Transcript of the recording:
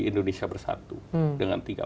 indonesia bersatu hmm dengan tiga